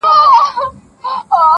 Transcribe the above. اصلاح نه سو لایې بد کول کارونه,